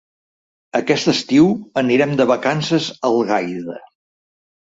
Aquest estiu anirem de vacances a Algaida.